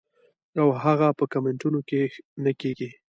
او هغه پۀ کمنټونو کښې نۀ کيږي -